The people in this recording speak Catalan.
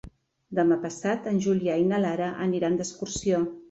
Demà passat en Julià i na Lara aniran d'excursió.